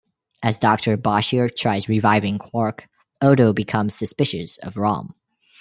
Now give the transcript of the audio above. As Doctor Bashir tries reviving Quark, Odo becomes suspicious of Rom.